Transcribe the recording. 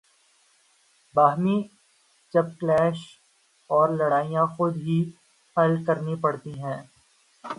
باہمی چپقلشیں اور لڑائیاں خود ہی حل کرنی پڑتی ہیں۔